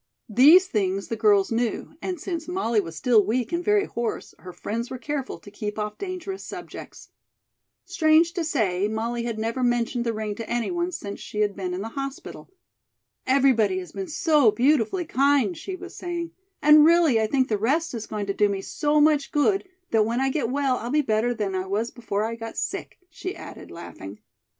These things the girls knew, and since Molly was still weak and very hoarse, her friends were careful to keep off dangerous subjects. Strange to say, Molly had never mentioned the ring to any one since she had been in the hospital. "Everybody has been so beautifully kind," she was saying, "and really, I think the rest is going to do me so much good, that when I get well I'll be better than I was before I got sick," she added, laughing.